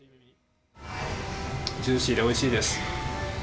ジューシーでおいしいです。